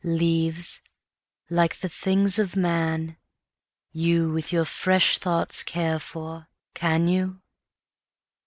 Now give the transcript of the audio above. Leáves, líke the things of man, youWith your fresh thoughts care for, can you?